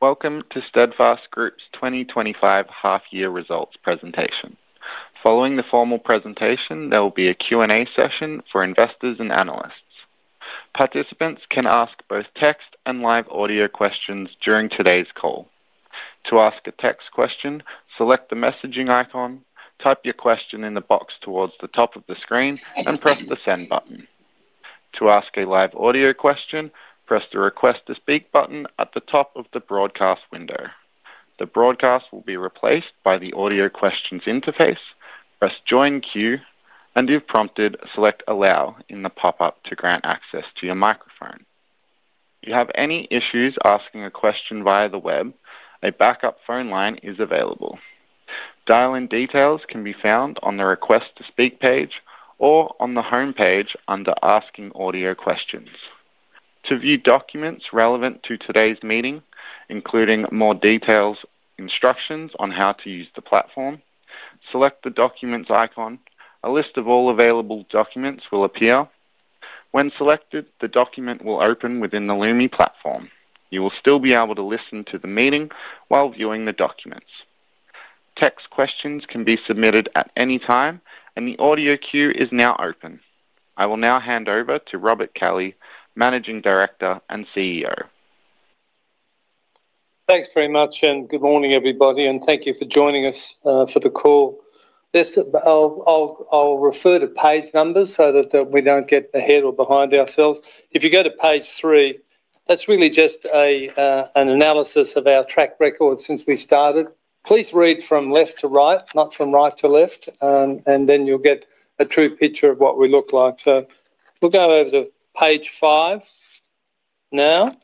Welcome to Steadfast Group's 2025 half-year results presentation. Following the formal presentation, there will be a Q&A session for investors and analysts. Participants can ask both text and live audio questions during today's call. To ask a text question, select the messaging icon, type your question in the box towards the top of the screen, and press the send button. To ask a live audio question, press the request to speak button at the top of the broadcast window. The broadcast will be replaced by the audio questions interface. Press join queue, and if prompted, select allow in the pop-up to grant access to your microphone. If you have any issues asking a question via the web, a backup phone line is available. Dial-in details can be found on the request to speak page or on the home page under asking audio questions. To view documents relevant to today's meeting, including more detailed instructions on how to use the platform, select the documents icon. A list of all available documents will appear. When selected, the document will open within the Lumi platform. You will still be able to listen to the meeting while viewing the documents. Text questions can be submitted at any time, and the audio queue is now open. I will now hand over to Robert Kelly, Managing Director and CEO. Thanks very much, and good morning, everybody, and thank you for joining us for the call. I'll refer to page numbers so that we don't get ahead or behind ourselves. If you go to page three, that's really just an analysis of our track record since we started. Please read from left to right, not from right to left, and then you'll get a true picture of what we look like. So we'll go over to page five now.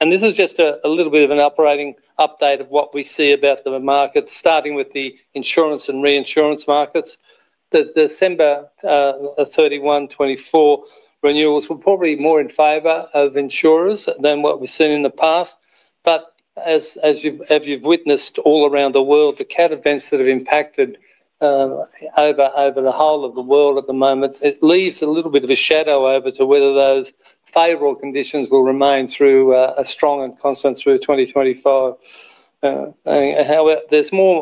And this is just a little bit of an operating update of what we see about the markets, starting with the insurance and reinsurance markets. The December 31, 2024 renewals were probably more in favor of insurers than what we've seen in the past. But as you've witnessed all around the world, the CAT events that have impacted over the whole of the world at the moment, it leaves a little bit of a shadow over to whether those favorable conditions will remain through a strong and constant through 2025. However,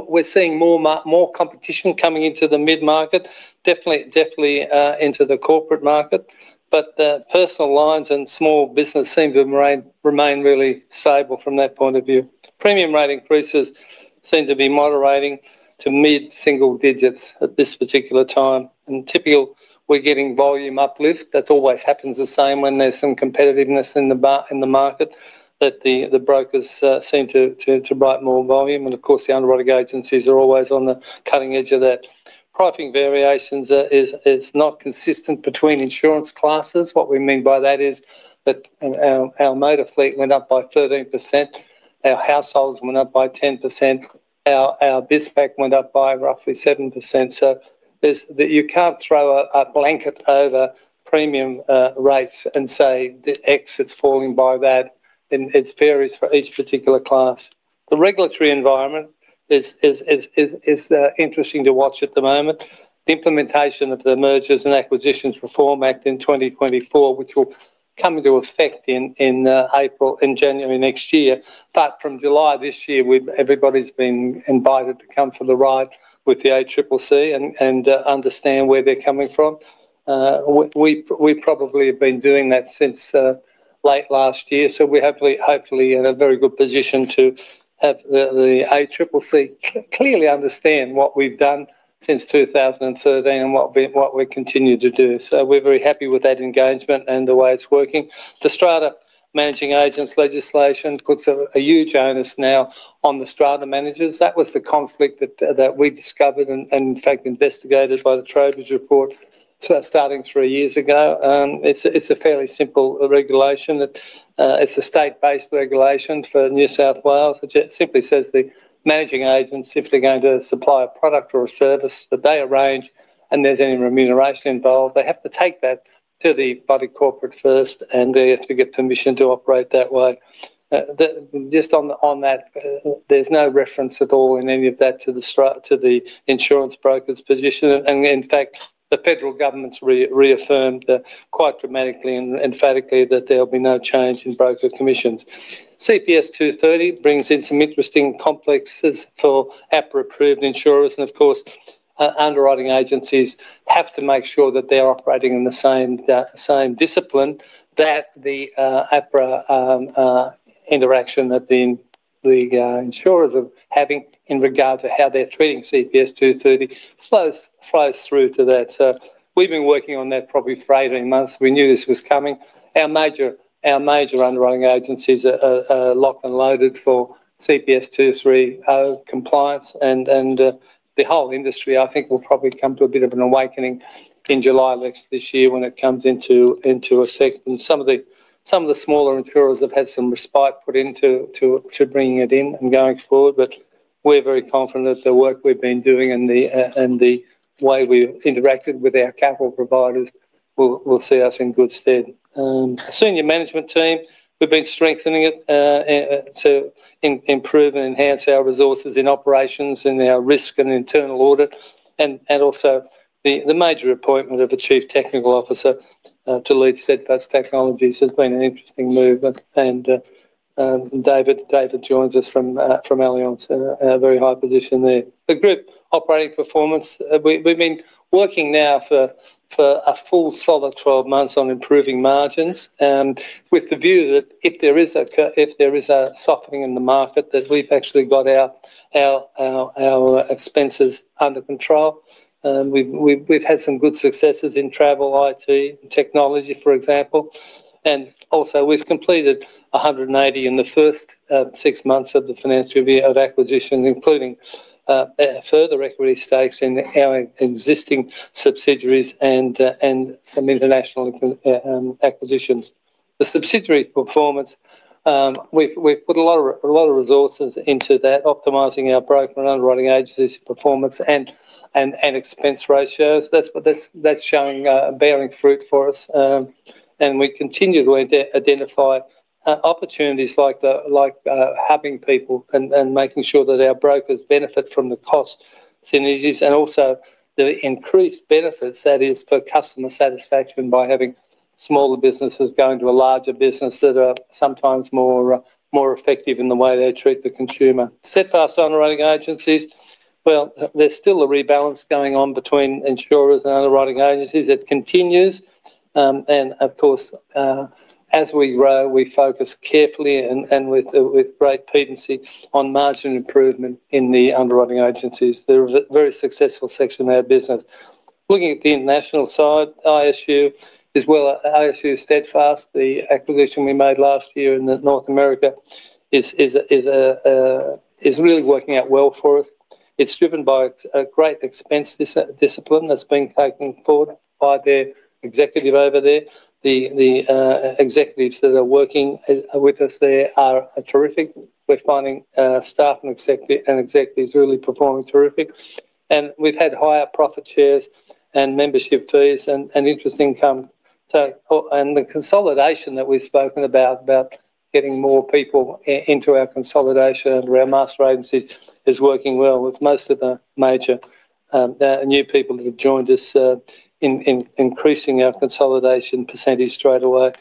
we're seeing more competition coming into the mid-market, definitely into the corporate market. But personal lines and small business seem to remain really stable from that point of view. Premium rate increases seem to be moderating to mid-single digits at this particular time. And typically, we're getting volume uplift. That always happens the same when there's some competitiveness in the market that the brokers seem to write more volume. And of course, the underwriting agencies are always on the cutting edge of that. Pricing variations are not consistent between insurance classes. What we mean by that is that our motor fleet went up by 13%. Our households went up by 10%. Our BizPack went up by roughly 7%. So you can't throw a blanket over premium rates and say the rates are falling by that. It's various for each particular class. The regulatory environment is interesting to watch at the moment. The implementation of the Mergers and Acquisitions Reform Act in 2024, which will come into effect in April and January next year. But from July this year, everybody's been invited to come for the ride with the ACCC and understand where they're coming from. We probably have been doing that since late last year. So we're hopefully in a very good position to have the ACCC clearly understand what we've done since 2013 and what we continue to do. So we're very happy with that engagement and the way it's working. The strata managing agents legislation puts a huge onus now on the strata managers. That was the conflict that we discovered and, in fact, investigated by the Trowbridge Report starting three years ago. It's a fairly simple regulation. It's a state-based regulation for New South Wales. It simply says the managing agents if they're going to supply a product or a service that they arrange and there's any remuneration involved, they have to take that to the body corporate first, and they have to get permission to operate that way. Just on that, there's no reference at all in any of that to the insurance broker's position. And in fact, the federal government's reaffirmed quite dramatically and emphatically that there'll be no change in broker commissions. CPS 230 brings in some interesting complexes for APRA-approved insurers. Of course, underwriting agencies have to make sure that they're operating in the same discipline that the APRA interaction that the insurers are having in regard to how they're treating CPS 230 flows through to that. We've been working on that probably for 18 months. We knew this was coming. Our major underwriting agencies are locked and loaded for CPS 230 compliance. The whole industry, I think, will probably come to a bit of an awakening in July this year when it comes into effect. Some of the smaller insurers have had some respite put into bringing it in and going forward. We're very confident that the work we've been doing and the way we've interacted with our capital providers will see us in good stead. Senior management team, we've been strengthening it to improve and enhance our resources in operations and our risk and internal audit. The major appointment of a Chief Technical Officer to lead Steadfast Technologies has been an interesting movement. David joins us from Allianz, a very high position there. The group operating performance, we've been working now for a full solid 12 months on improving margins with the view that if there is a softening in the market, that we've actually got our expenses under control. We've had some good successes in travel, IT, and technology, for example. We've completed 180 in the first six months of the financial year of acquisitions, including further equity stakes in our existing subsidiaries and some international acquisitions. The subsidiary performance, we've put a lot of resources into that, optimizing our broker and underwriting agency performance and expense ratios. That's showing bearing fruit for us. We continually identify opportunities like hubbing people and making sure that our brokers benefit from the cost synergies and also the increased benefits that is for customer satisfaction by having smaller businesses going to a larger business that are sometimes more effective in the way they treat the consumer. Steadfast Underwriting Agencies, well, there's still a rebalance going on between insurers and underwriting agencies. It continues. Of course, as we grow, we focus carefully and with great pedantry on margin improvement in the underwriting agencies. They're a very successful section of our business. Looking at the international side, ISU, as well as ISU Steadfast, the acquisition we made last year in North America is really working out well for us. It's driven by a great expense discipline that's been taken forward by the executive over there. The executives that are working with us there are terrific. We're finding staff and executives really performing terrific. And we've had higher profit shares and membership fees and interest income. And the consolidation that we've spoken about, about getting more people into our consolidation and agencies, is working well with most of the major new people that have joined us in increasing our consolidation percentage straight away.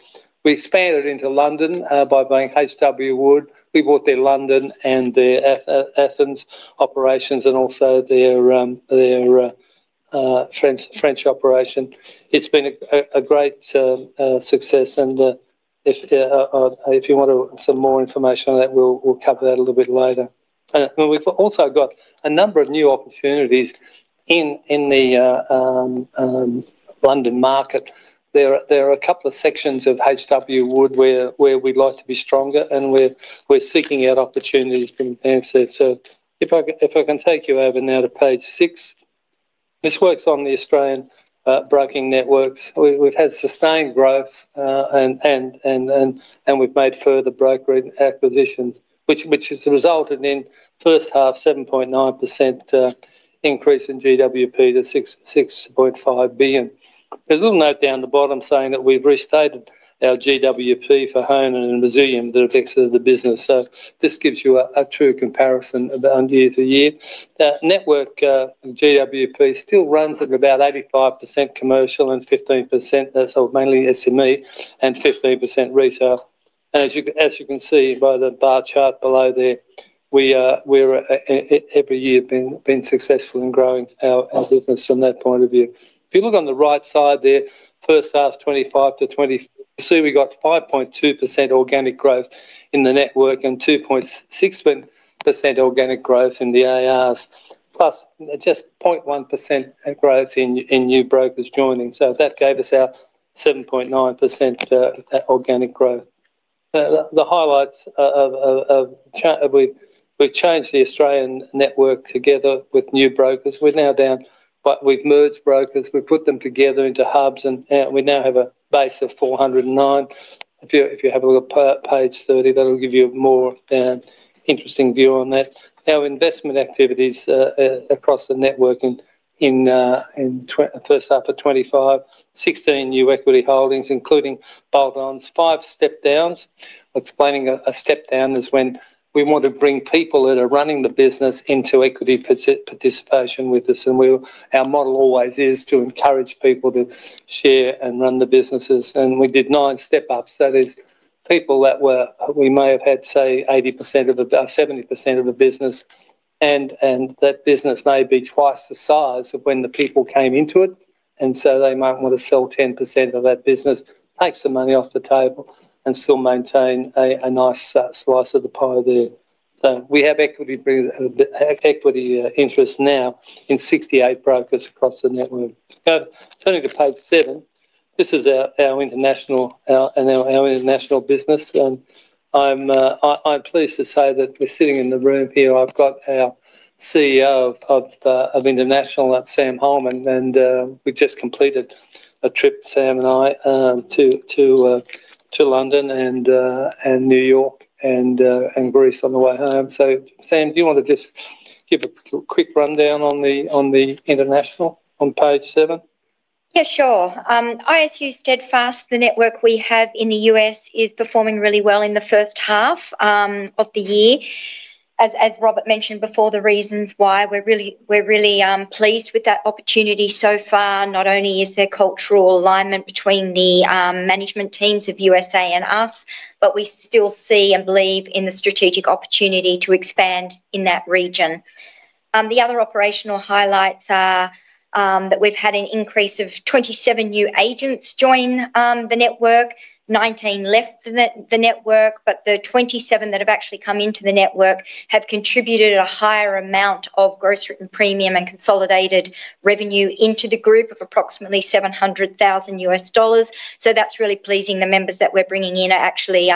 We expanded into London by buying H.W. Wood. We bought their London and their Athens operations and also their French operation. It's been a great success. And if you want some more information on that, we'll cover that a little bit later. And we've also got a number of new opportunities in the London market. There are a couple of sections of H.W. Wood where we'd like to be stronger, and we're seeking out opportunities to advance it. So if I can take you over now to page six, this works on the Australian broking networks. We've had sustained growth, and we've made further broker acquisitions, which has resulted in first half 7.9% increase in GWP to 6.5 billion. There's a little note down the bottom saying that we've restated our GWP for Honan and Resilium that affects the business. So this gives you a true comparison year to year. Network GWP still runs at about 85% commercial and 15%, so mainly SME and 15% retail. As you can see by the bar chart below there, we're every year being successful in growing our business from that point of view. If you look on the right side there, first half 2025. You see we got 5.2% organic growth in the network and 2.6% organic growth in the ARs, plus just 0.1% growth in new brokers joining. So that gave us our 7.9% organic growth. The highlights of we've changed the Australian network together with new brokers. We're now down, but we've merged brokers. We've put them together into hubs, and we now have a base of 409. If you have a look at page 30, that'll give you a more interesting view on that. Our investment activities across the network in first half of 2025, 16 new equity holdings, including bolt-ons, five step-downs. Explaining a step-down is when we want to bring people that are running the business into equity participation with us, and our model always is to encourage people to share and run the businesses, and we did nine step-ups. That is people that we may have had, say, 80% or 70% of the business, and that business may be twice the size of when the people came into it. They might want to sell 10% of that business, take some money off the table, and still maintain a nice slice of the pie there. We have equity interest now in 68 brokers across the network. Turning to page seven, this is our international business. I'm pleased to say that we're sitting in the room here. I've got our CEO of International, Sam Holman, and we just completed a trip, Sam and I, to London and New York and Greece on the way home. Sam, do you want to just give a quick rundown on the international on page seven? Yeah, sure. ISU Steadfast, the network we have in the US, is performing really well in the first half of the year. As Robert mentioned before, the reasons why we're really pleased with that opportunity so far, not only is there cultural alignment between the management teams of USA and us, but we still see and believe in the strategic opportunity to expand in that region. The other operational highlights are that we've had an increase of 27 new agents join the network, 19 left the network, but the 27 that have actually come into the network have contributed a higher amount of gross premium and consolidated revenue into the group of approximately $700,000. So that's really pleasing. The members that we're bringing in are actually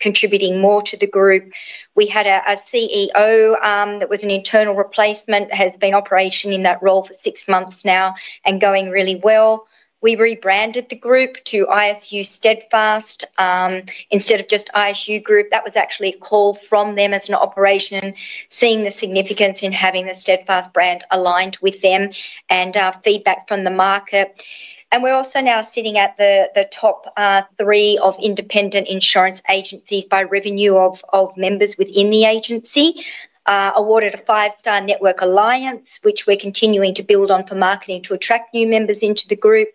contributing more to the group. We had a CEO that was an internal replacement, has been operating in that role for six months now and going really well. We rebranded the group to ISU Steadfast instead of just ISU Group. That was actually a call from them as an operation, seeing the significance in having the Steadfast brand aligned with them and feedback from the market, and we're also now sitting at the top three of independent insurance agencies by revenue of members within the agency, awarded a five-star network alliance, which we're continuing to build on for marketing to attract new members into the group,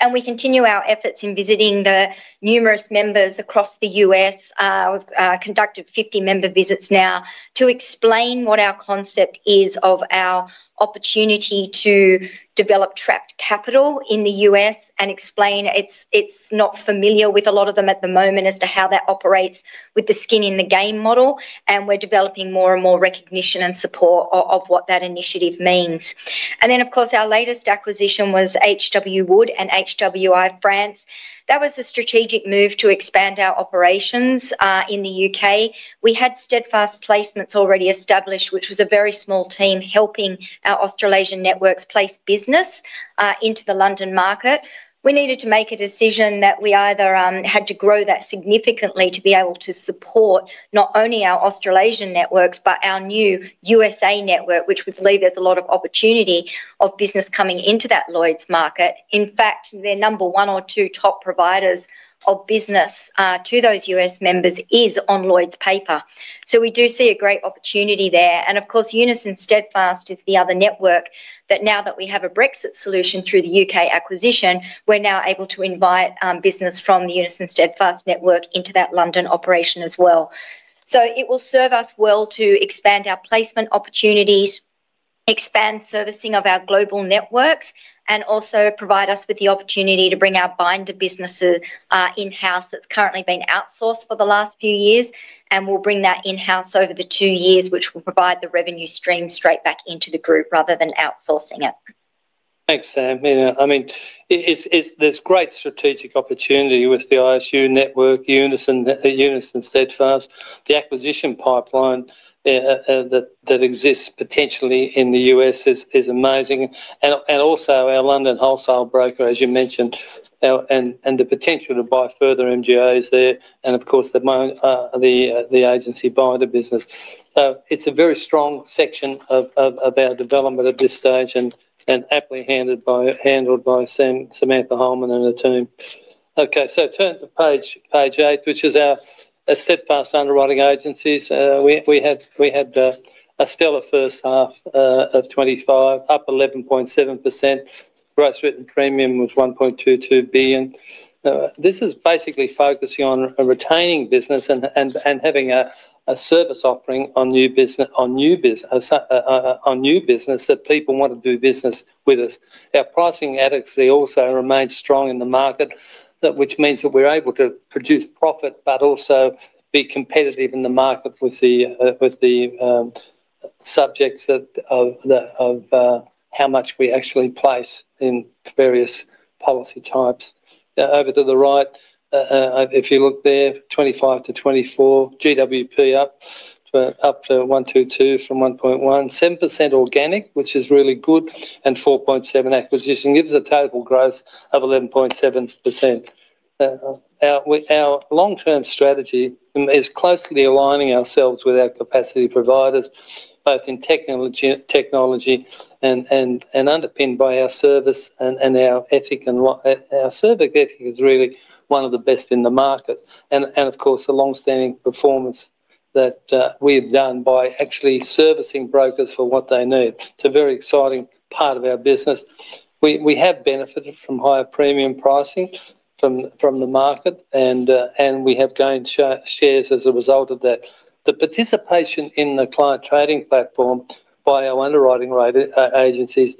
and we continue our efforts in visiting the numerous members across the U.S. We've conducted 50 member visits now to explain what our concept is of our opportunity to develop trapped capital in the U.S. and explain it's not familiar with a lot of them at the moment as to how that operates with the skin in the game model, and we're developing more and more recognition and support of what that initiative means, and then, of course, our latest acquisition was H.W. Wood and HWI France. That was a strategic move to expand our operations in the U.K. We had Steadfast Placements already established, which was a very small team helping our Australasian networks place business into the London market. We needed to make a decision that we either had to grow that significantly to be able to support not only our Australasian networks, but our new USA network, which would leave us a lot of opportunity of business coming into that Lloyd's market. In fact, their number one or two top providers of business to those U.S. members is on Lloyd's paper. So we do see a great opportunity there, and of course, Unison Steadfast is the other network that now that we have a Brexit solution through the UK acquisition, we're now able to invite business from the Unison Steadfast network into that London operation as well. So it will serve us well to expand our placement opportunities, expand servicing of our global networks, and also provide us with the opportunity to bring our binder businesses in-house, that's currently been outsourced for the last few years. We'll bring that in-house over the two years, which will provide the revenue stream straight back into the group rather than outsourcing it. Thanks, Sam. I mean, there's great strategic opportunity with the ISU Network, Unison Steadfast. The acquisition pipeline that exists potentially in the U.S. is amazing, and also our London wholesale broker, as you mentioned, and the potential to buy further MGAs there, and of course, the agency buying the business, so it's a very strong section of our development at this stage and aptly handled by Samantha Holman and her team. Okay, so turn to page eight, which is our Steadfast Underwriting Agencies. We had a stellar first half of 25, up 11.7%. Gross Written Premium was 1.22 billion. This is basically focusing on retaining business and having a service offering on new business that people want to do business with us. Our pricing adequacy also remains strong in the market, which means that we're able to produce profit, but also be competitive in the market with the subjects of how much we actually place in various policy types. Over to the right, if you look there, 25 to 24, GWP up to 122 from 1.1, 7% organic, which is really good, and 4.7 acquisition. It gives a total growth of 11.7%. Our long-term strategy is closely aligning ourselves with our capacity providers, both in technology and underpinned by our service and our ethic. And our service ethic is really one of the best in the market. And of course, the long-standing performance that we've done by actually servicing brokers for what they need. It's a very exciting part of our business. We have benefited from higher premium pricing from the market, and we have gained shares as a result of that. The participation in the Client Trading Platform by our underwriting agencies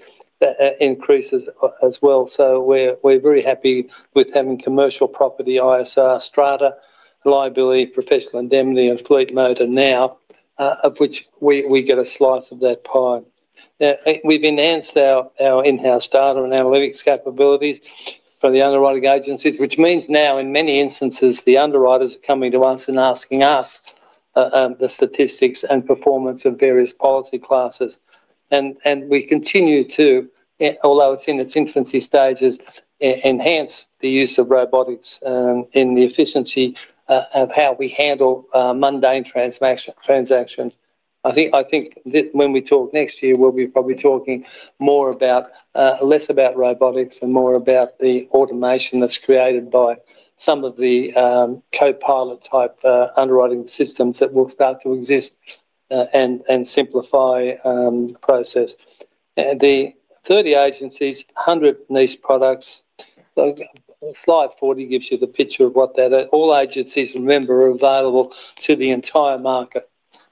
increases as well. So we're very happy with having Commercial Property, ISR, Strata, Liability, Professional Indemnity, and Fleet Motor now, of which we get a slice of that pie. We've enhanced our in-house data and analytics capabilities for the underwriting agencies, which means now in many instances, the underwriters are coming to us and asking us the statistics and performance of various policy classes. And we continue to, although it's in its infancy stages, enhance the use of robotics in the efficiency of how we handle mundane transactions. I think when we talk next year, we'll be probably talking less about robotics and more about the automation that's created by some of the Copilot-type underwriting systems that will start to exist and simplify the process. The 30 agencies, 100 niche products. Slide 40 gives you the picture of what that is. All agencies, remember, are available to the entire market.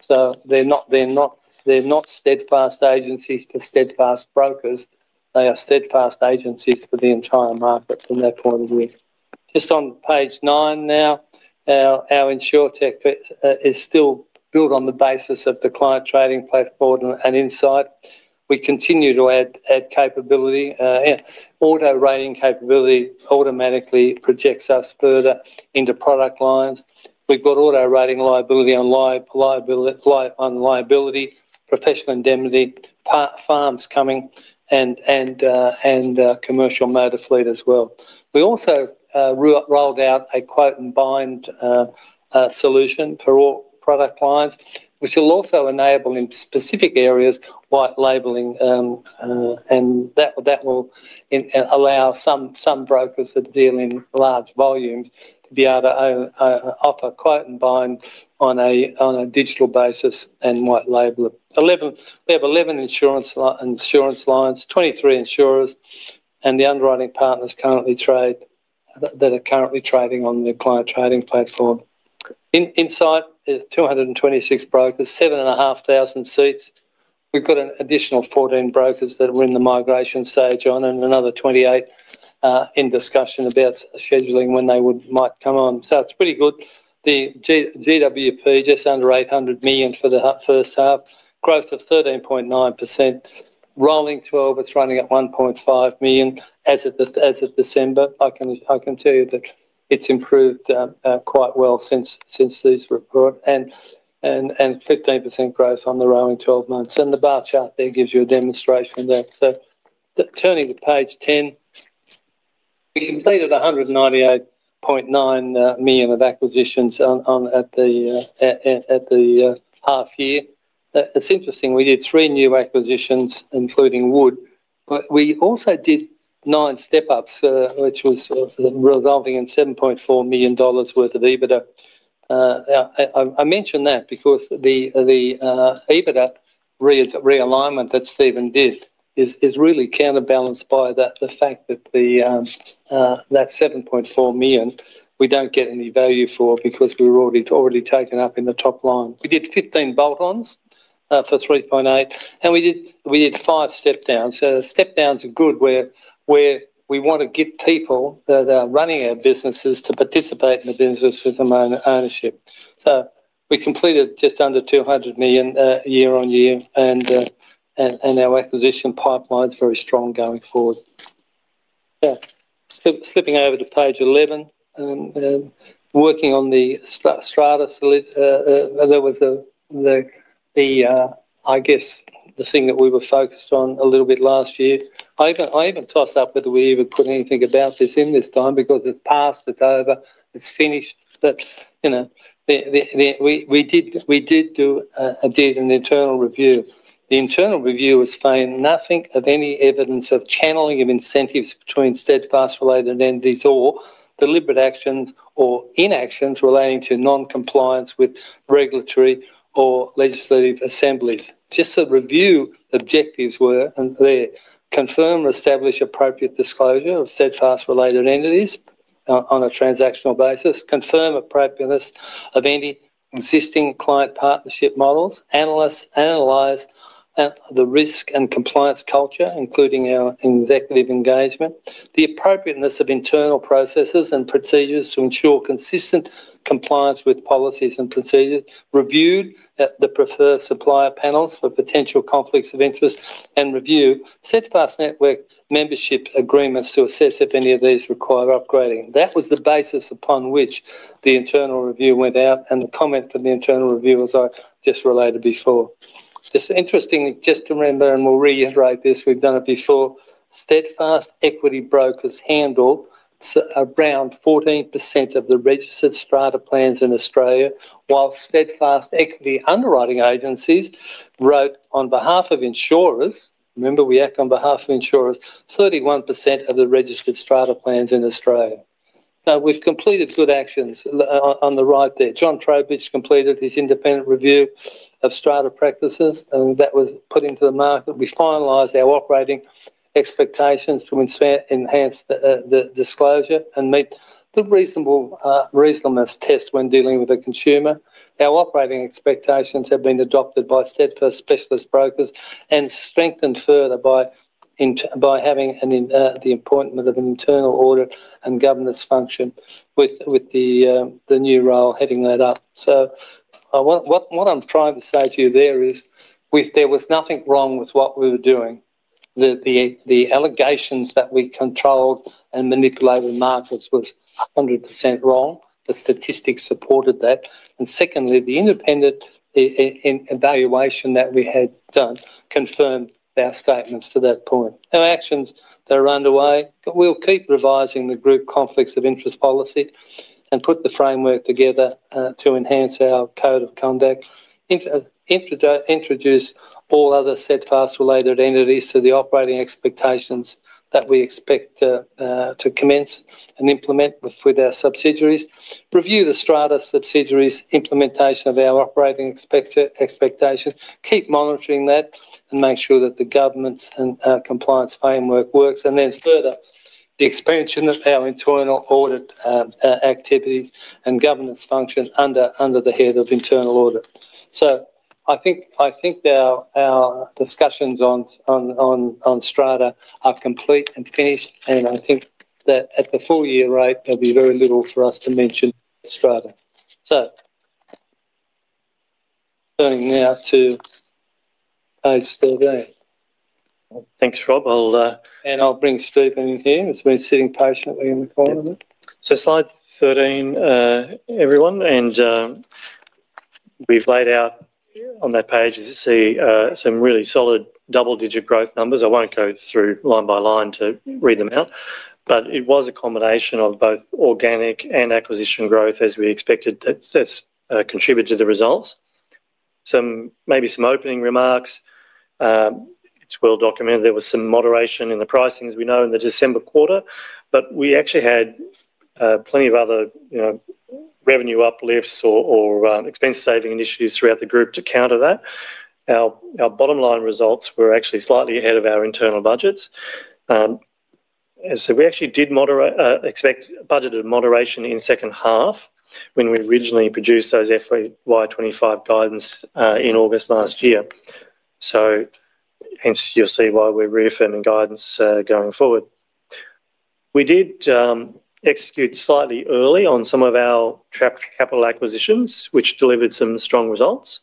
So they're not Steadfast agencies for Steadfast brokers. They are Steadfast agencies for the entire market from that point of view. Just on page nine now, our insurer tech is still built on the basis of the Client Trading Platform and Insight. We continue to add capability. Auto rating capability automatically projects us further into product lines. We've got auto rating liability on liability, Professional Indemnity, farms coming, and commercial motor fleet as well. We also rolled out a quote and bind solution for all product lines, which will also enable in specific areas white labeling, and that will allow some brokers that deal in large volumes to be able to offer quote and bind on a digital basis and white label. We have 11 insurance lines, 23 insurers, and the underwriting partners that are currently trading on the Client Trading Platform. Insight is 226 brokers, 7,500 seats. We've got an additional 14 brokers that are in the migration stage on, and another 28 in discussion about scheduling when they might come on. So it's pretty good. The GWP, just under 800 million for the first half, growth of 13.9%. Rolling 12, it's running at 1.5 million as of December. I can tell you that it's improved quite well since these reports and 15% growth on the rolling 12 months. And the bar chart there gives you a demonstration of that. So turning to page 10, we completed 198.9 million of acquisitions at the half year. It's interesting. We did three new acquisitions, including Wood. But we also did nine step-ups, which was resulting in 7.4 million dollars worth of EBITDA. I mention that because the EBITDA realignment that Stephen did is really counterbalanced by the fact that that 7.4 million we don't get any value for because we're already taken up in the top line. We did 15 bolt-ons for 3.8 million, and we did five step-downs. So step-downs are good where we want to get people that are running our businesses to participate in the business with ownership. So we completed just under 200 million year on year, and our acquisition pipeline is very strong going forward. Yeah. Slipping over to page 11, working on the strata. There was, I guess, the thing that we were focused on a little bit last year. I even tossed up whether we even put anything about this in this time because it's passed, it's over, it's finished. But we did do an internal review. The internal review found nothing of any evidence of channeling of incentives between Steadfast-related entities or deliberate actions or inactions relating to non-compliance with regulatory or legislative assemblies. Just the review objectives were confirm, establish appropriate disclosure of Steadfast-related entities on a transactional basis, confirm appropriateness of any existing client partnership models, analyze the risk and compliance culture, including our executive engagement, the appropriateness of internal processes and procedures to ensure consistent compliance with policies and procedures, reviewed at the preferred supplier panels for potential conflicts of interest, and review Steadfast network membership agreements to assess if any of these require upgrading. That was the basis upon which the internal review went out, and the comment from the internal review was I just related before. Just interestingly, just to remember, and we'll reiterate this, we've done it before. Steadfast equity brokers handle around 14% of the registered strata plans in Australia, while Steadfast equity underwriting agencies wrote on behalf of insurers 31% of the registered strata plans in Australia. Remember, we act on behalf of insurers. Now, we've completed good actions on the right there. John Trowbridge completed his independent review of strata practices, and that was put into the market. We finalized our Operating Expectations to enhance the disclosure and meet the reasonableness test when dealing with a consumer. Our Operating Expectations have been adopted by Steadfast specialist brokers and strengthened further by having the appointment of an internal audit and governance function with the new role heading that up. So what I'm trying to say to you there is there was nothing wrong with what we were doing. The allegations that we controlled and manipulated markets was 100% wrong. The statistics supported that. And secondly, the independent evaluation that we had done confirmed our statements to that point. Our actions that are underway, we'll keep revising the group conflicts of interest policy and put the framework together to enhance our code of conduct. Introduce all other Steadfast-related entities to the Operating Expectations that we expect to commence and implement with our subsidiaries. Review the Strata subsidiaries' implementation of our Operating Expectation. Keep monitoring that and make sure that the governance and compliance framework works. And then further, the expansion of our internal audit activities and governance function under the head of internal audit. So I think our discussions on Strata are complete and finished. And I think that at the full year rate, there'll be very little for us to mention Strata. So turning now to page 13. Thanks, Rob. And I'll bring Stephen in here. He's been sitting patiently in the corner. So slide 13, everyone. And we've laid out on that page, as you see, some really solid double-digit growth numbers. I won't go through line by line to read them out. But it was a combination of both organic and acquisition growth, as we expected this contributed to the results. Maybe some opening remarks. It's well documented. There was some moderation in the pricing, as we know, in the December quarter. But we actually had plenty of other revenue uplifts or expense-saving initiatives throughout the group to counter that. Our bottom-line results were actually slightly ahead of our internal budgets. So we actually did budget a moderation in second half when we originally produced those FY25 guidance in August last year. So hence, you'll see why we're reaffirming guidance going forward. We did execute slightly early on some of our capital acquisitions, which delivered some strong results.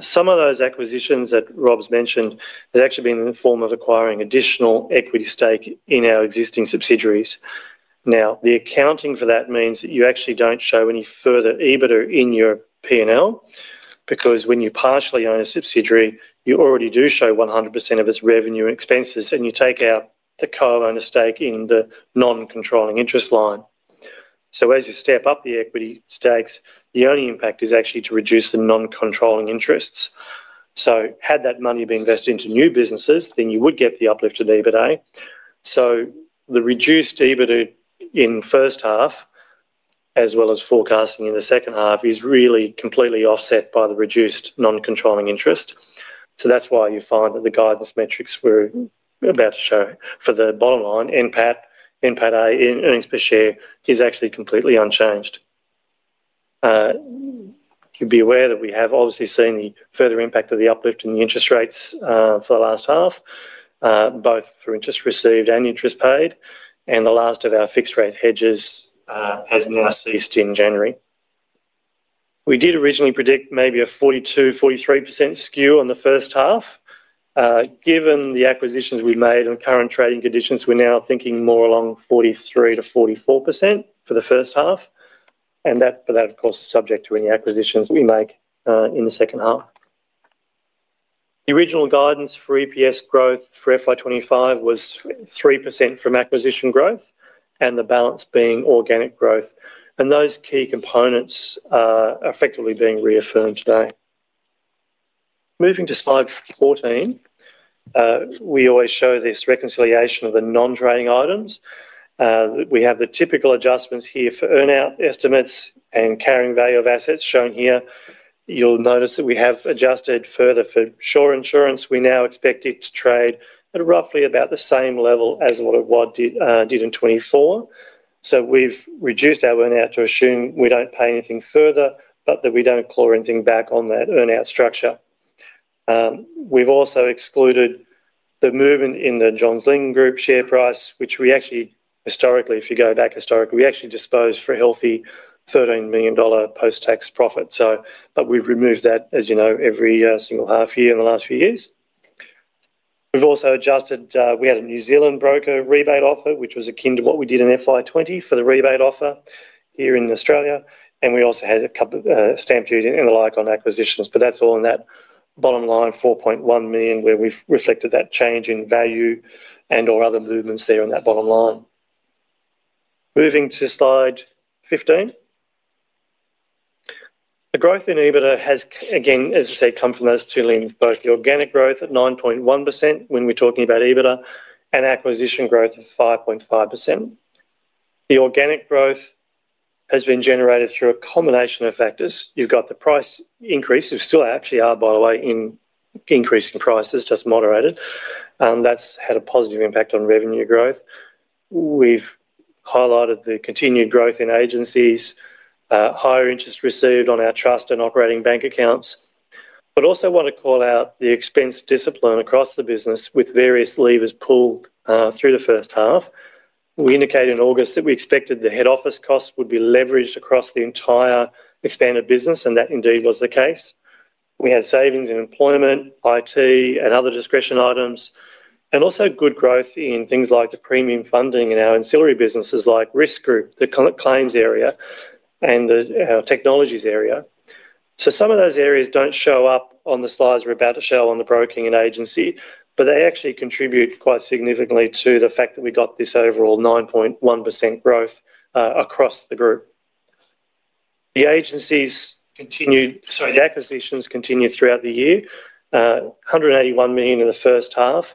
Some of those acquisitions that Rob's mentioned have actually been in the form of acquiring additional equity stake in our existing subsidiaries. Now, the accounting for that means that you actually don't show any further EBITDA in your P&L because when you partially own a subsidiary, you already do show 100% of its revenue and expenses, and you take out the co-owner stake in the non-controlling interest line. So as you step up the equity stakes, the only impact is actually to reduce the non-controlling interests. So had that money been invested into new businesses, then you would get the uplift of EBITDA. So the reduced EBITDA in first half, as well as forecasting in the second half, is really completely offset by the reduced non-controlling interest. That's why you find that the guidance metrics we're about to show for the bottom line, NPAT, NPATA, earnings per share, is actually completely unchanged. You'd be aware that we have obviously seen the further impact of the uplift in the interest rates for the last half, both for interest received and interest paid. And the last of our fixed-rate hedges has now ceased in January. We did originally predict maybe a 42-43% skew on the first half. Given the acquisitions we've made and current trading conditions, we're now thinking more along 43-44% for the first half. And that, of course, is subject to any acquisitions we make in the second half. The original guidance for EPS growth for FY25 was 3% from acquisition growth and the balance being organic growth. And those key components are effectively being reaffirmed today. Moving to slide 14, we always show this reconciliation of the non-trading items. We have the typical adjustments here for earnout estimates and carrying value of assets shown here. You'll notice that we have adjusted further for Sure Insurance. We now expect it to trade at roughly about the same level as what it did in 2024. So we've reduced our earnout to assume we don't pay anything further, but that we don't claw anything back on that earnout structure. We've also excluded the movement in the Johns Lyng Group share price, which we actually, historically, if you go back historically, we actually disposed for a healthy $13 million post-tax profit. But we've removed that, as you know, every single half year in the last few years. We've also adjusted. We had a New Zealand broker rebate offer, which was akin to what we did in FY20 for the rebate offer here in Australia. And we also had a stamp duty and the like on acquisitions. But that's all in that bottom line, 4.1 million, where we've reflected that change in value and/or other movements there on that bottom line. Moving to slide 15. The growth in EBITDA has, again, as I said, come from those two limbs. Both the organic growth at 9.1% when we're talking about EBITDA and acquisition growth of 5.5%. The organic growth has been generated through a combination of factors. You've got the price increase. We still actually are, by the way, in increasing prices, just moderated. That's had a positive impact on revenue growth. We've highlighted the continued growth in agencies, higher interest received on our trust and operating bank accounts. But I also want to call out the expense discipline across the business with various levers pulled through the first half. We indicated in August that we expected the head office costs would be leveraged across the entire expanded business, and that indeed was the case. We had savings in employment, IT, and other discretion items, and also good growth in things like the premium funding in our ancillary businesses like Risk Group, the claims area, and our technologies area. So some of those areas don't show up on the slides we're about to show on the broking and agency, but they actually contribute quite significantly to the fact that we got this overall 9.1% growth across the group. The acquisitions continued throughout the year, 181 million in the first half.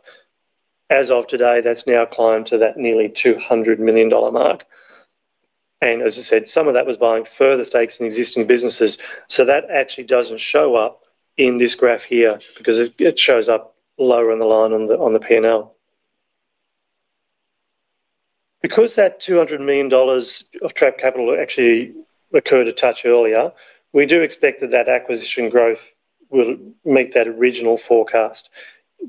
As of today, that's now climbed to that nearly 200 million dollar mark. And as I said, some of that was buying further stakes in existing businesses. So that actually doesn't show up in this graph here because it shows up lower in the line on the P&L. Because that 200 million dollars of trapped capital actually occurred a touch earlier, we do expect that that acquisition growth will meet that original forecast.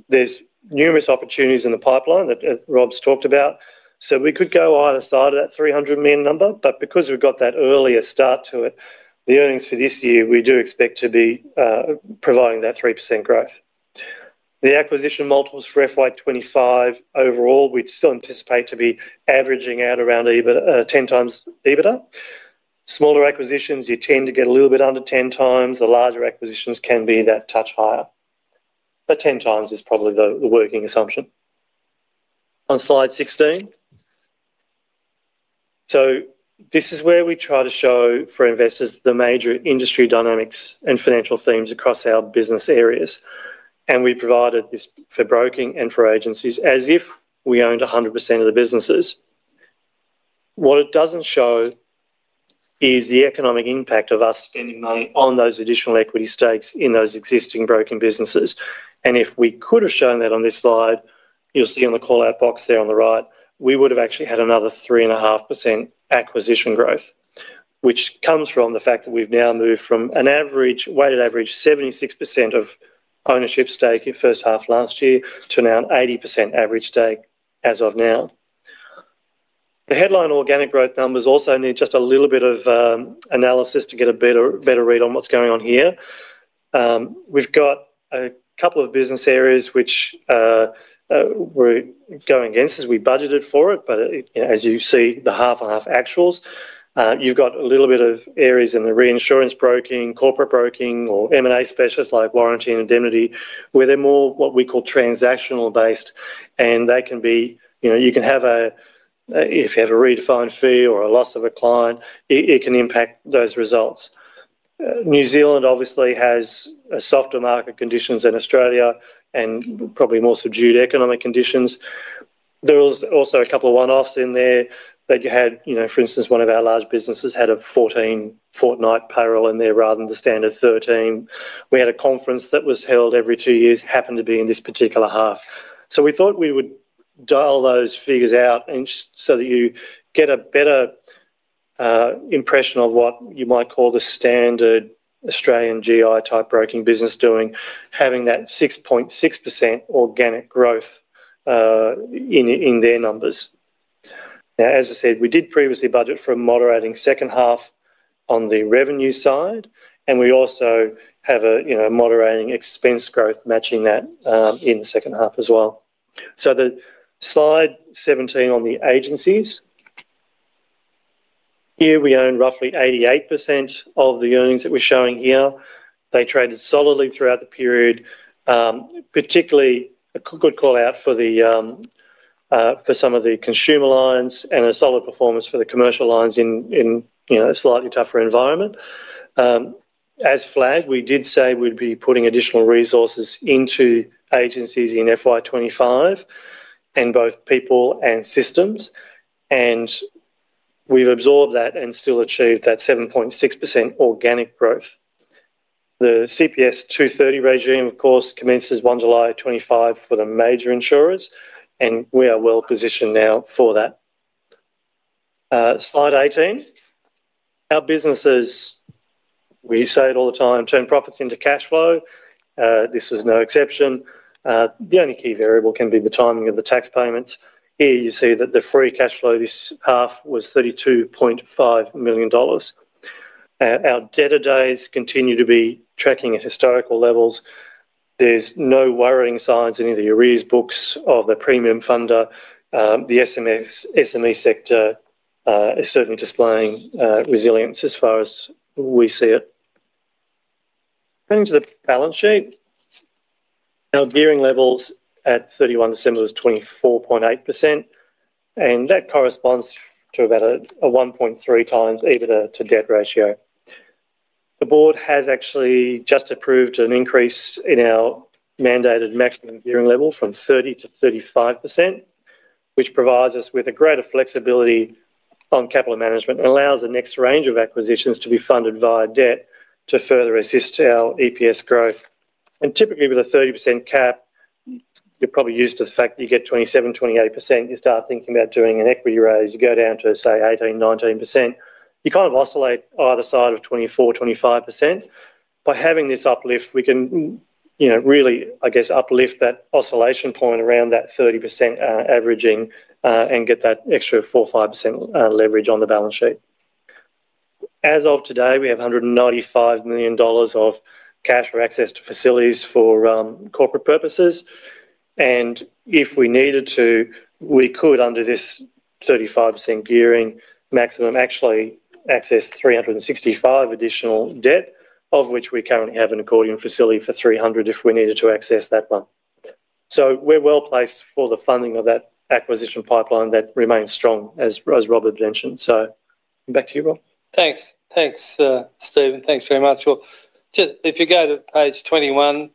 There's numerous opportunities in the pipeline that Rob's talked about. So we could go either side of that 300 million number. But because we've got that earlier start to it, the earnings for this year, we do expect to be providing that 3% growth. The acquisition multiples for FY25 overall, we still anticipate to be averaging out around 10 times EBITDA. Smaller acquisitions, you tend to get a little bit under 10 times. The larger acquisitions can be that touch higher. But 10 times is probably the working assumption. On slide 16, so this is where we try to show for investors the major industry dynamics and financial themes across our business areas, and we provided this for broking and for agencies as if we owned 100% of the businesses. What it doesn't show is the economic impact of us spending money on those additional equity stakes in those existing broking businesses, and if we could have shown that on this slide, you'll see on the callout box there on the right, we would have actually had another 3.5% acquisition growth, which comes from the fact that we've now moved from an average weighted average 76% of ownership stake in first half last year to now an 80% average stake as of now. The headline organic growth numbers also need just a little bit of analysis to get a better read on what's going on here. We've got a couple of business areas which were going against us. We budgeted for it, but as you see, the half-and-half actuals. You've got a little bit of areas in the reinsurance broking, corporate broking, or M&A specialists like warranty and indemnity, where they're more what we call transactional-based. And they can be. You can have a, if you have a redefined fee or a loss of a client, it can impact those results. New Zealand obviously has softer market conditions than Australia and probably more subdued economic conditions. There was also a couple of one-offs in there that you had, for instance, one of our large businesses had a 14 fortnight payroll in there rather than the standard 13. We had a conference that was held every two years, happened to be in this particular half. So we thought we would dial those figures out so that you get a better impression of what you might call the standard Australian GI-type broking business doing, having that 6.6% organic growth in their numbers. Now, as I said, we did previously budget for a moderating second half on the revenue side, and we also have a moderating expense growth matching that in the second half as well. So the slide 17 on the agencies. Here we own roughly 88% of the earnings that we're showing here. They traded solidly throughout the period, particularly a good callout for some of the consumer lines and a solid performance for the commercial lines in a slightly tougher environment. As flagged, we did say we'd be putting additional resources into agencies in FY25 and both people and systems. And we've absorbed that and still achieved that 7.6% organic growth. The CPS 230 regime, of course, commences 1 July 2025 for the major insurers, and we are well positioned now for that. Slide 18. Our businesses, we say it all the time, turn profits into cash flow. This was no exception. The only key variable can be the timing of the tax payments. Here you see that the free cash flow this half was 32.5 million dollars. Our debtor days continue to be tracking at historical levels. There's no worrying signs in either your earnings books or the premium funder. The SME sector is certainly displaying resilience as far as we see it. Turning to the balance sheet, our gearing levels at 31 December was 24.8%, and that corresponds to about a 1.3 times EBITDA to debt ratio. The board has actually just approved an increase in our mandated maximum gearing level from 30-35%, which provides us with a greater flexibility on capital management and allows the next range of acquisitions to be funded via debt to further assist our EPS growth, and typically, with a 30% cap, you're probably used to the fact that you get 27-28%. You start thinking about doing an equity raise. You go down to, say, 18-19%. You kind of oscillate either side of 24-25%. By having this uplift, we can really, I guess, uplift that oscillation point around that 30% averaging and get that extra 4-5% leverage on the balance sheet. As of today, we have 195 million dollars of cash for access to facilities for corporate purposes. And if we needed to, we could, under this 35% gearing maximum, actually access 365 additional debt, of which we currently have an accordion facility for 300 if we needed to access that one. So we're well placed for the funding of that acquisition pipeline that remains strong, as Robert mentioned. So back to you, Rob. Thanks. Thanks, Stephen. Thanks very much. If you go to page 21,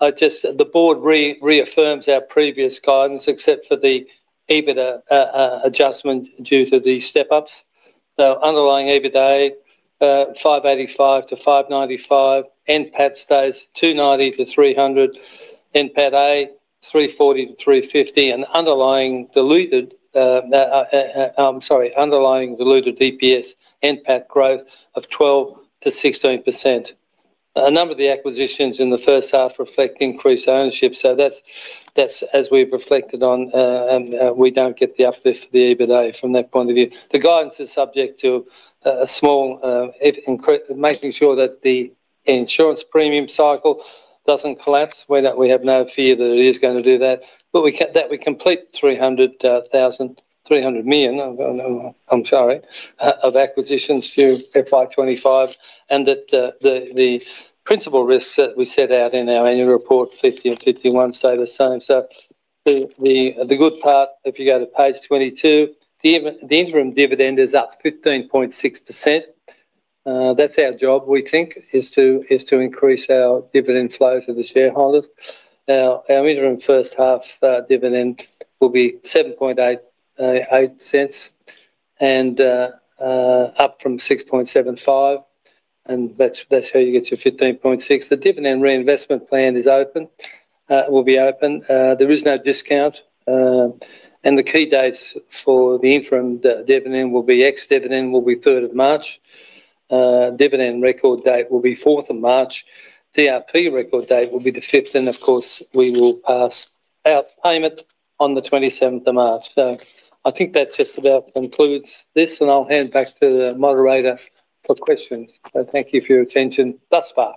the board reaffirms our previous guidance, except for the EBITDA adjustment due to the step-ups. So underlying EBITDA 585-595, NPAT stays 290-300, NPATA 340-350, and underlying diluted EPS, NPAT growth of 12%-16%. A number of the acquisitions in the first half reflect increased ownership. So that's as we've reflected on, and we don't get the uplift for the EBITDA from that point of view. The guidance is subject to making sure that the insurance premium cycle doesn't collapse, where we have no fear that it is going to do that, but that we complete 300 million, I'm sorry, of acquisitions through FY25, and that the principal risks that we set out in our annual report, pages 50 and 51, stay the same. The good part, if you go to page 22, the interim dividend is up 15.6%. That's our job, we think, is to increase our dividend flow to the shareholders. Our interim first half dividend will be 0.0788 and up from 0.0675. That's how you get your 15.6%. The dividend reinvestment plan will be open. There is no discount. The key dates for the interim dividend will be ex-dividend will be 3rd of March. Dividend record date will be 4th of March. DRP record date will be the 5th. Of course, we will pass out payment on the 27th of March. I think that just about concludes this, and I'll hand back to the moderator for questions. Thank you for your attention thus far.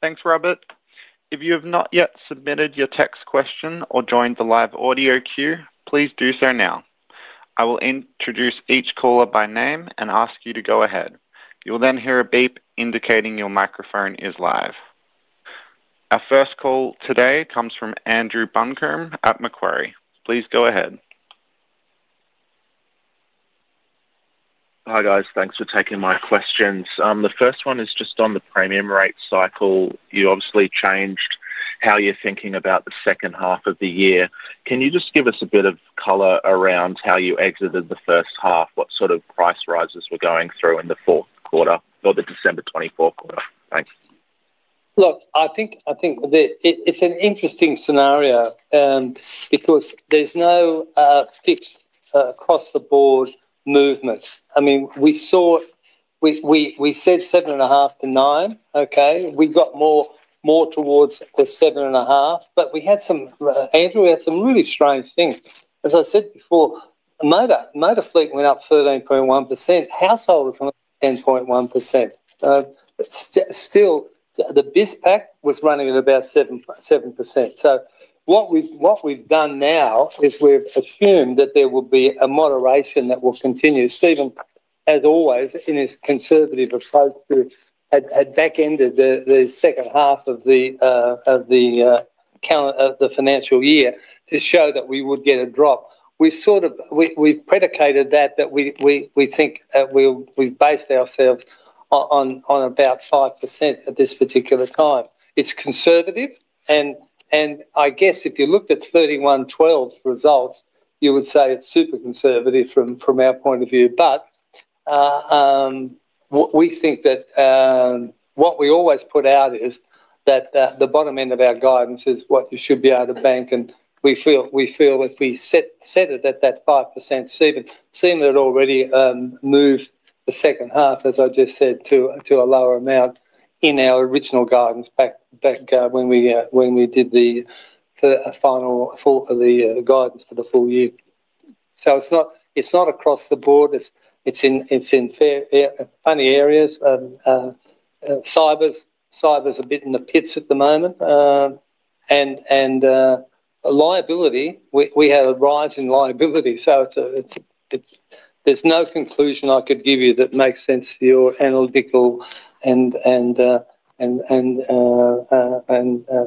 Thanks, Robert. If you have not yet submitted your text question or joined the live audio queue, please do so now. I will introduce each caller by name and ask you to go ahead. You'll then hear a beep indicating your microphone is live. Our first call today comes from Andrew Buncombe at Macquarie. Please go ahead. Hi, guys. Thanks for taking my questions. The first one is just on the premium rate cycle. You obviously changed how you're thinking about the second half of the year. Can you just give us a bit of color around how you exited the first half, what sort of price rises we're going through in the fourth quarter or the December 2024 quarter? Thanks. Look, I think it's an interesting scenario because there's no fixed across the board movement. I mean, we said 7.5%-9%, okay? We got more towards the 7.5, but we had some, Andrew, we had some really strange things. As I said before, motor fleet went up 13.1%, households went up 10.1%. Still, the BizPack was running at about 7%. So what we've done now is we've assumed that there will be a moderation that will continue. Stephen, as always, in his conservative approach, had back-ended the second half of the financial year to show that we would get a drop. We've predicated that we think we've based ourselves on about 5% at this particular time. It's conservative. I guess if you looked at 31/12 results, you would say it's super conservative from our point of view. We think that what we always put out is that the bottom end of our guidance is what you should be able to bank. We feel if we set it at that 5%, Stephen, it already moved the second half, as I just said, to a lower amount in our original guidance back when we did the final guidance for the full year. It's not across the board. It's in funny areas. Cyber's a bit in the pits at the moment. Liability, we have a rise in liability. So, there's no conclusion I could give you that makes sense to your analytical and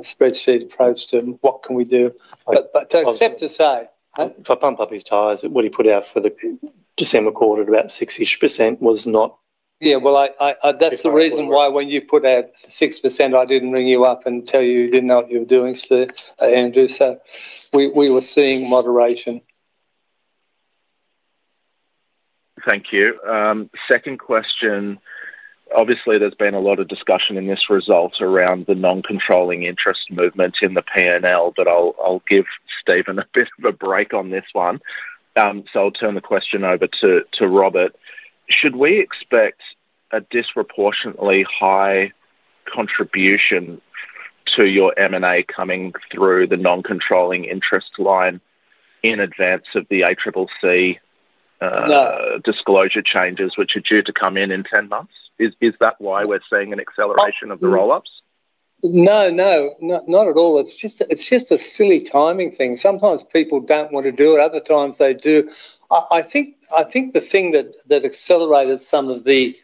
spreadsheet approach to what can we do. But to accept to say. If I pump up his tires, what he put out for the December quarter, about 6-ish%, was not. Yeah, well, that's the reason why when you put out 6%, I didn't ring you up and tell you you didn't know what you were doing, Andrew. So we were seeing moderation. Thank you. Second question. Obviously, there's been a lot of discussion in this result around the non-controlling interest movements in the P&L, but I'll give Stephen a bit of a break on this one. So I'll turn the question over to Robert. Should we expect a disproportionately high contribution to your M&A coming through the non-controlling interest line in advance of the ACCC disclosure changes, which are due to come in in 10 months? Is that why we're seeing an acceleration of the roll-ups? No, no, not at all. It's just a silly timing thing. Sometimes people don't want to do it. Other times they do. I think the thing that accelerated some of the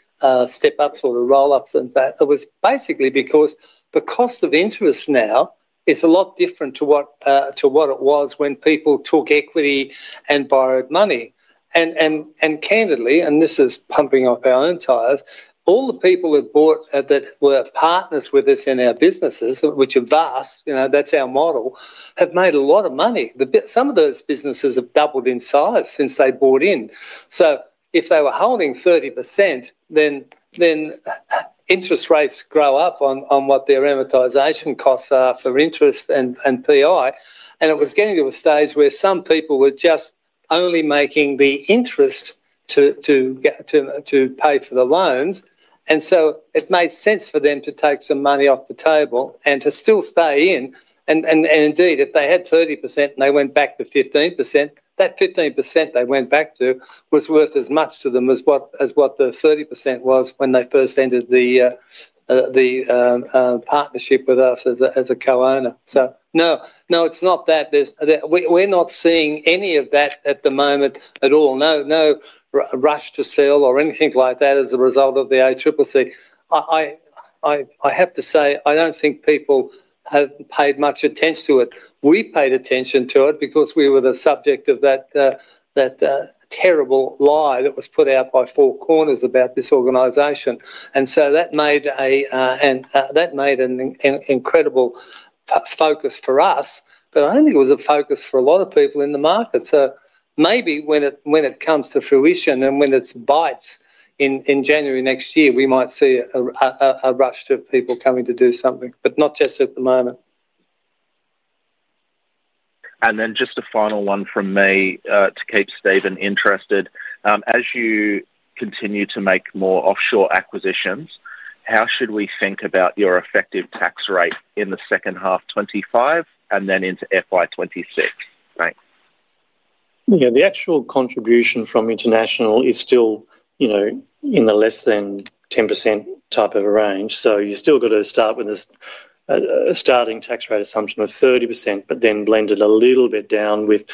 step-ups or the roll-ups was basically because the cost of interest now is a lot different to what it was when people took equity and borrowed money, and candidly, and this is pumping up our own tires, all the people that were partners with us in our businesses, which are vast, that's our model, have made a lot of money. Some of those businesses have doubled in size since they bought in. So if they were holding 30%, then interest rates go up on what their amortization costs are for interest and P&I. And it was getting to a stage where some people were just only making the interest to pay for the loans. And so it made sense for them to take some money off the table and to still stay in. And indeed, if they had 30% and they went back to 15%, that 15% they went back to was worth as much to them as what the 30% was when they first entered the partnership with us as a co-owner. So no, no, it's not that. We're not seeing any of that at the moment at all. No rush to sell or anything like that as a result of the ACCC. I have to say, I don't think people have paid much attention to it. We paid attention to it because we were the subject of that terrible lie that was put out by Four Corners about this organization. And so that made an incredible focus for us, but I don't think it was a focus for a lot of people in the market. So maybe when it comes to fruition and when it's bites in January next year, we might see a rush of people coming to do something, but not just at the moment. And then just a final one from me to keep Stephen interested. As you continue to make more offshore acquisitions, how should we think about your effective tax rate in the second half 2025 and then into FY26? Thanks. Yeah, the actual contribution from international is still in the less than 10% type of range. So you've still got to start with a starting tax rate assumption of 30%, but then blend it a little bit down with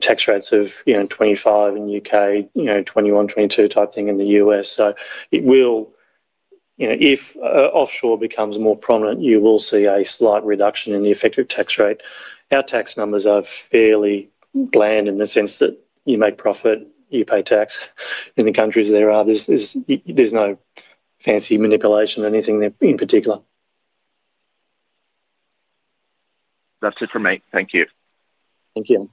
tax rates of 25% in the U.K., 21%-22% type thing in the U.S. So if offshore becomes more prominent, you will see a slight reduction in the effective tax rate. Our tax numbers are fairly bland in the sense that you make profit, you pay tax in the countries there are. There's no fancy manipulation or anything in particular. That's it for me. Thank you. Thank you.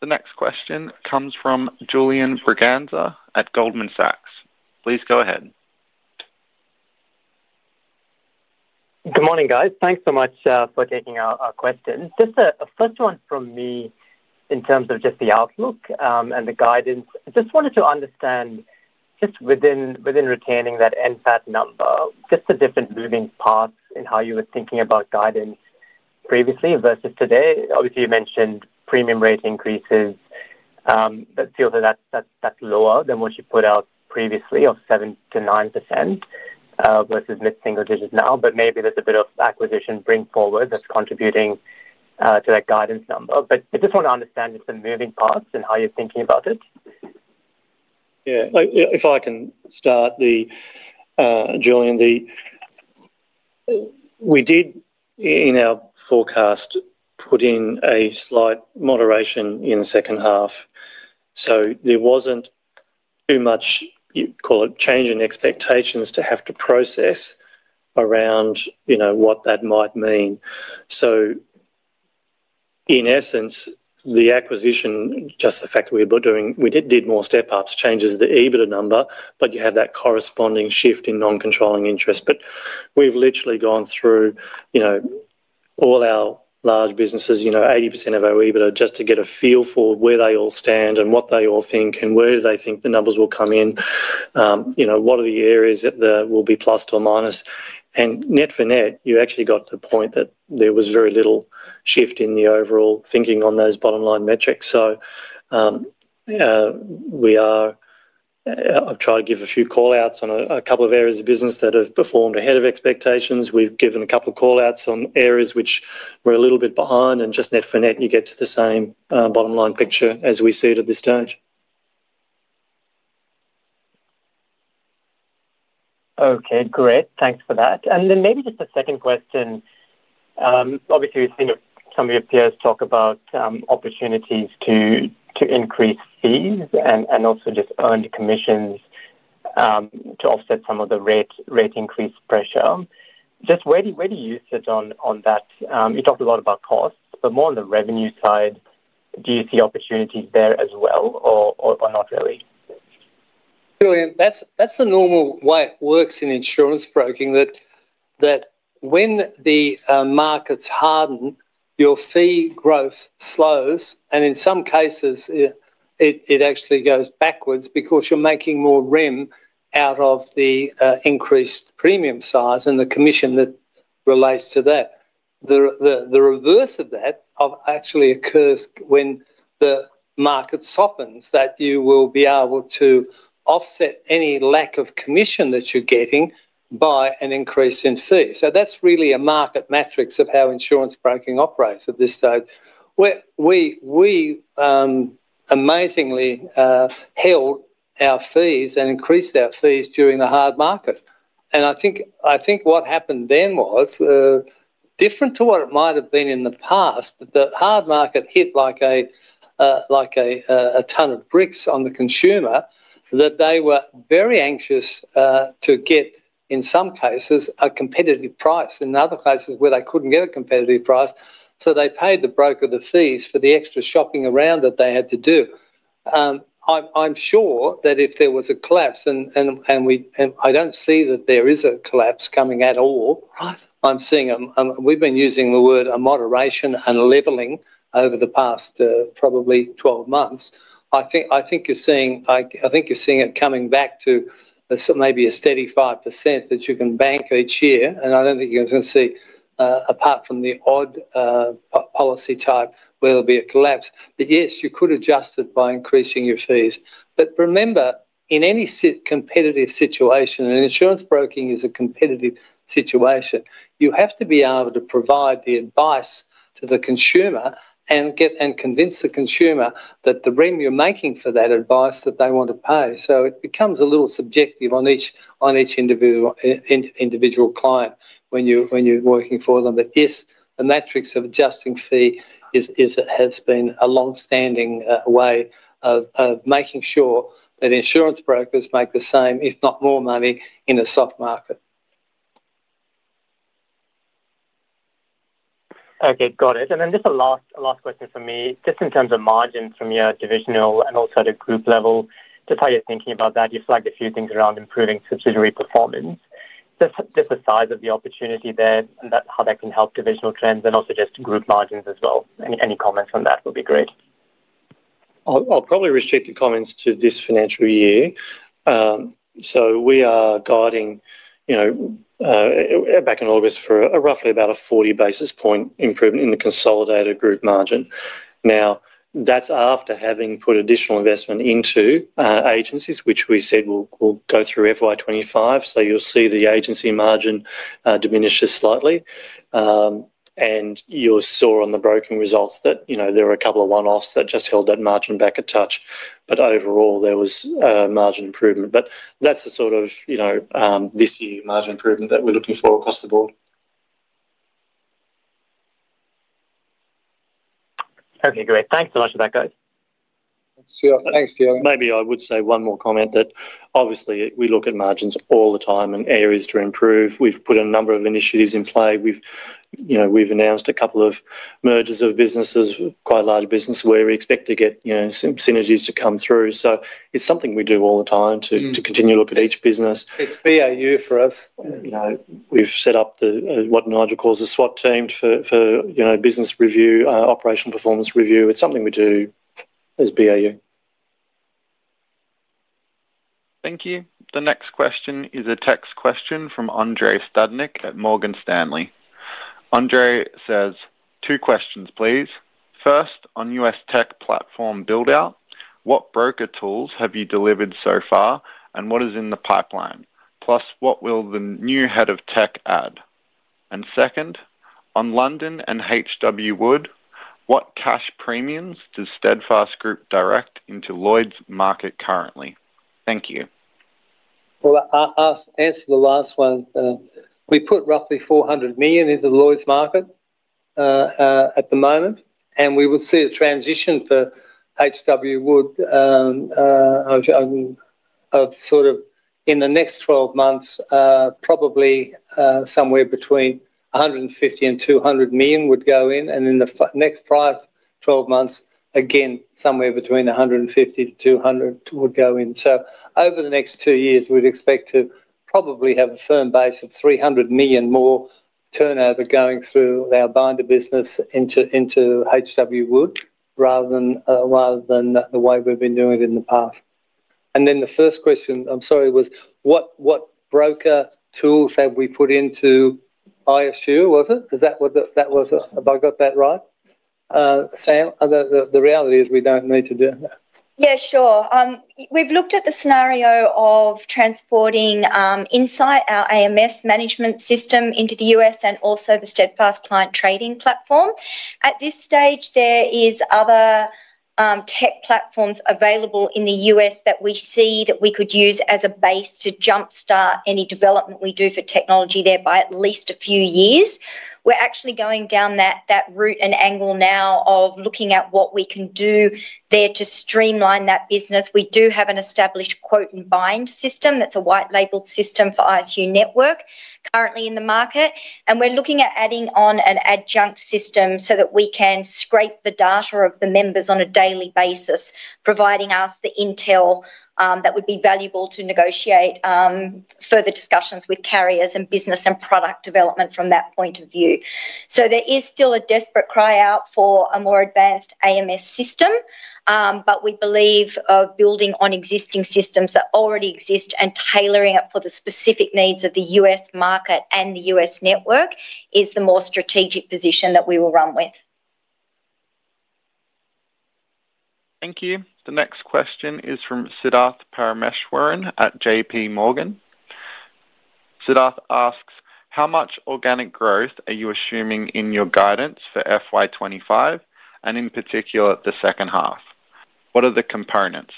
The next question comes from Julian Braganza at Goldman Sachs. Please go ahead. Good morning, guys. Thanks so much for taking our questions. Just a first one from me in terms of just the outlook and the guidance. I just wanted to understand just within retaining that NPAT number, just the different moving parts in how you were thinking about guidance previously versus today. Obviously, you mentioned premium rate increases. It feels that that's lower than what you put out previously of 7%-9% versus mid-single digits now, but maybe there's a bit of acquisition bring forward that's contributing to that guidance number. But I just want to understand just the moving parts and how you're thinking about it. Yeah. If I can start, Julian, we did in our forecast put in a slight moderation in the second half. So there wasn't too much, you call it, change in expectations to have to process around what that might mean. So in essence, the acquisition, just the fact that we did more step-ups changes the EBITDA number, but you have that corresponding shift in non-controlling interest. But we've literally gone through all our large businesses, 80% of our EBITDA, just to get a feel for where they all stand and what they all think and where do they think the numbers will come in, what are the areas that will be plus or minus. And net for net, you actually got to the point that there was very little shift in the overall thinking on those bottom-line metrics. So I've tried to give a few callouts on a couple of areas of business that have performed ahead of expectations. We've given a couple of callouts on areas which were a little bit behind, and just net for net, you get to the same bottom-line picture as we see at this stage. Okay, great. Thanks for that. And then maybe just a second question. Obviously, we've seen some of your peers talk about opportunities to increase fees and also just earned commissions to offset some of the rate increase pressure. Just where do you sit on that? You talked a lot about costs, but more on the revenue side, do you see opportunities there as well, or not really? Julian, that's the normal way it works in insurance broking, that when the markets harden, your fee growth slows, and in some cases, it actually goes backwards because you're making more rem out of the increased premium size and the commission that relates to that. The reverse of that actually occurs when the market softens, that you will be able to offset any lack of commission that you're getting by an increase in fee. So that's really a market matrix of how insurance broking operates at this stage. We amazingly held our fees and increased our fees during the hard market, and I think what happened then was different to what it might have been in the past, that the hard market hit like a ton of bricks on the consumer, that they were very anxious to get, in some cases, a competitive price, and in other cases where they couldn't get a competitive price, so they paid the broker the fees for the extra shopping around that they had to do. I'm sure that if there was a collapse, and I don't see that there is a collapse coming at all, I'm seeing we've been using the word a moderation and leveling over the past probably 12 months. I think you're seeing it coming back to maybe a steady 5% that you can bank each year. And I don't think you're going to see, apart from the odd policy type, where there'll be a collapse. But yes, you could adjust it by increasing your fees. But remember, in any competitive situation, and insurance broking is a competitive situation, you have to be able to provide the advice to the consumer and convince the consumer that the rem you're making for that advice that they want to pay. So it becomes a little subjective on each individual client when you're working for them. But yes, the matrix of adjusting fee has been a long-standing way of making sure that insurance brokers make the same, if not more money, in a soft market. Okay, got it. And then just a last question for me, just in terms of margins from your divisional and also at a group level, just how you're thinking about that. You flagged a few things around improving subsidiary performance. Just the size of the opportunity there, how that can help divisional trends, and also just group margins as well. Any comments on that would be great. I'll probably restrict the comments to this financial year, so we are guiding back in August for roughly about a 40 basis points improvement in the consolidated group margin. Now, that's after having put additional investment into agencies, which we said will go through FY25, so you'll see the agency margin diminishes slightly, and you saw on the broker results that there were a couple of one-offs that just held that margin back a touch, but overall, there was margin improvement, but that's the sort of this year margin improvement that we're looking for across the board. Okay, great. Thanks so much for that, guys. Thanks, Julian. Maybe I would say one more comment that obviously we look at margins all the time and areas to improve. We've put a number of initiatives in play. We've announced a couple of mergers of businesses, quite large businesses where we expect to get synergies to come through. So it's something we do all the time to continue to look at each business. It's BAU for us. We've set up what Nigel calls a SWOT team for business review, operational performance review. It's something we do as BAU. Thank you. The next question is a text question from Andrei Stadnik at Morgan Stanley. Andrei says, "Two questions, please. First, on US tech platform buildout, what broker tools have you delivered so far, and what is in the pipeline? Plus, what will the new head of tech add? And second, On London and H.W. Wood, what cash premiums does Steadfast Group direct into Lloyd's market currently? Thank you. Well, I'll answer the last one. We put roughly 400 million into Lloyd's market at the moment, and we will see a transition for H.W. Wood of sort of in the next 12 months, probably somewhere between 150-200 million would go in. And in the next 5 to 12 months, again, somewhere between 150-200 million would go in. So over the next two years, we'd expect to probably have a firm base of 300 million more turnover going through our binder business into H.W. Wood rather than the way we've been doing it in the past. And then the first question, I'm sorry, was, What broker tools have we put into ISU? Was it? Is that what that was? Have I got that right? Sam, the reality is we don't need to do that. Yeah, sure. We've looked at the scenario of transporting Insight our AMS management system into the U.S. and also the Steadfast Client Trading Platform. At this stage, there are other tech platforms available in the U.S. that we see that we could use as a base to jumpstart any development we do for technology there by at least a few years. We're actually going down that route and angle now of looking at what we can do there to streamline that business. We do have an established quote and bind system that's a white-labeled system for ISU Network currently in the market. And we're looking at adding on an adjunct system so that we can scrape the data of the members on a daily basis, providing us the intel that would be valuable to negotiate further discussions with carriers and business and product development from that point of view. So there is still a desperate cry out for a more advanced AMS system, but we believe building on existing systems that already exist and tailoring it for the specific needs of the U.S. market and the U.S. network is the more strategic position that we will run with. Thank you. The next question is from Siddharth Parameswaran at JP Morgan. Siddharth asks, "How much organic growth are you assuming in your guidance for FY25, and in particular the second half? What are the components?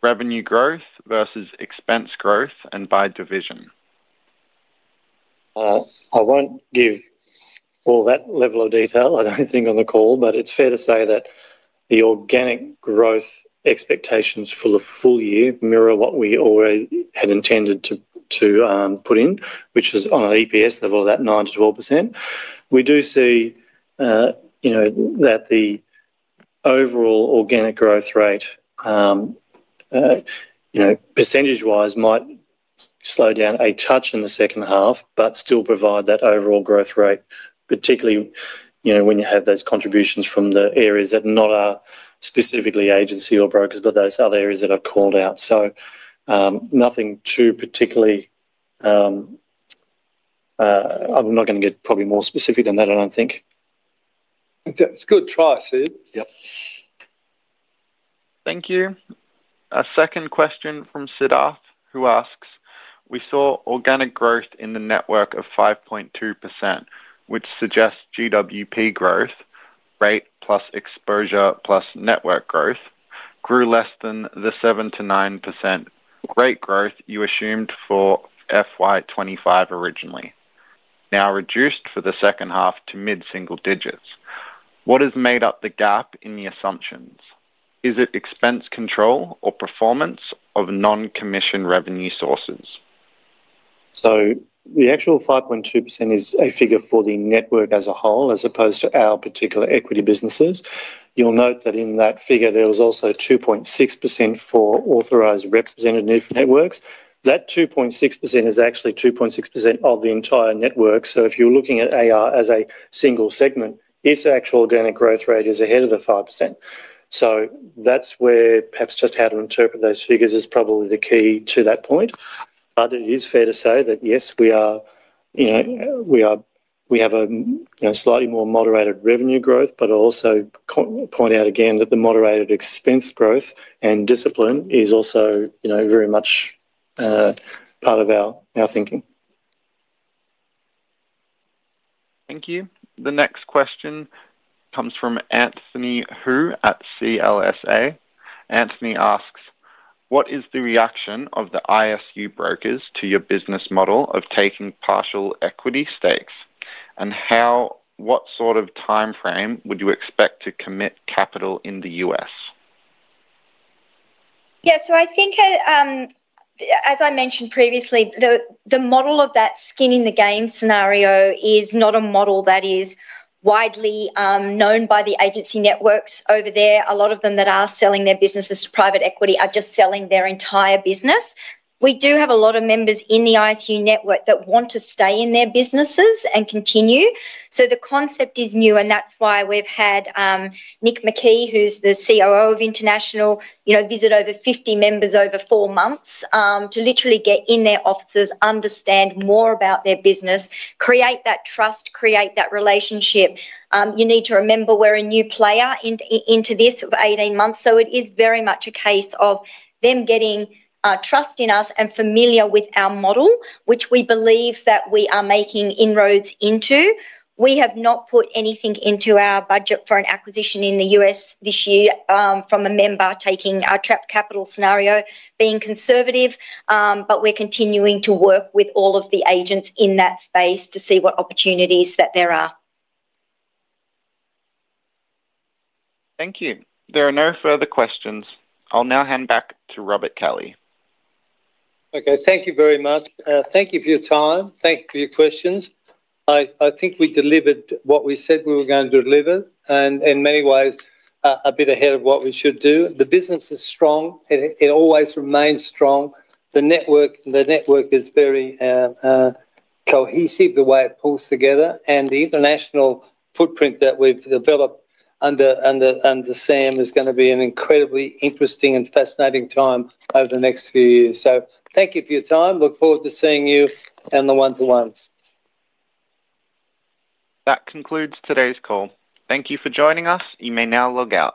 Revenue growth versus expense growth and by division?" I won't give all that level of detail, I don't think, on the call, but it's fair to say that the organic growth expectations for the full year mirror what we always had intended to put in, which is on an EPS level of that 9%-12%. We do see that the overall organic growth rate, percentage-wise, might slow down a touch in the second half, but still provide that overall growth rate, particularly when you have those contributions from the areas that are not specifically agency or brokers, but those other areas that are called out. So nothing too particularly. I'm not going to get probably more specific than that, I don't think. It's a good try, Steve. Yep. Thank you. A second question from Siddharth, who asks, "We saw organic growth in the network of 5.2%, which suggests GWP growth, rate plus exposure plus network growth, grew less than the 7%-9% rate growth you assumed for FY25 originally, now reduced for the second half to mid-single digits. What has made up the gap in the assumptions? Is it expense control or performance of non-commission revenue sources?" So the actual 5.2% is a figure for the network as a whole as opposed to our particular equity businesses. You'll note that in that figure, there was also 2.6% for authorized representative networks. That 2.6% is actually 2.6% of the entire network. So if you're looking at AR as a single segment, its actual organic growth rate is ahead of the 5%. So that's where perhaps just how to interpret those figures is probably the key to that point. But it is fair to say that, yes, we have a slightly more moderated revenue growth, but also point out again that the moderated expense growth and discipline is also very much part of our thinking. Thank you. The next question comes from Anthony Hoo at CLSA. Anthony asks, "What is the reaction of the ISU brokers to your business model of taking partial equity stakes? And what sort of time frame would you expect to commit capital in the US?" Yeah, so I think, as I mentioned previously, the model of that skin in the game scenario is not a model that is widely known by the agency networks over there. A lot of them that are selling their businesses to private equity are just selling their entire business. We do have a lot of members in the ISU Network that want to stay in their businesses and continue. So the concept is new, and that's why we've had Nick McKee, who's the COO of International, visit over 50 members over four months to literally get in their offices, understand more about their business, create that trust, create that relationship. You need to remember we're a new player into this for 18 months. So it is very much a case of them getting trust in us and familiar with our model, which we believe that we are making inroads into. We have not put anything into our budget for an acquisition in the U.S. this year from a member taking our trapped capital scenario, being conservative, but we're continuing to work with all of the agents in that space to see what opportunities that there are. Thank you. There are no further questions. I'll now hand back to Robert Kelly. Okay, thank you very much. Thank you for your time. Thank you for your questions. I think we delivered what we said we were going to deliver, and in many ways, a bit ahead of what we should do. The business is strong. It always remains strong. The network is very cohesive, the way it pulls together. And the international footprint that we've developed under Sam is going to be an incredibly interesting and fascinating time over the next few years. So thank you for your time. Look forward to seeing you and the one-to-ones. That concludes today's call. Thank you for joining us. You may now log out.